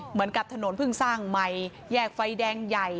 เหมือนกับถนนเพิ่งสร้างใหม่แยกไฟแดงใหญ่